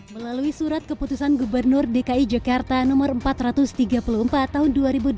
melalui surat keputusan gubernur dki jakarta no empat ratus tiga puluh empat tahun dua ribu delapan belas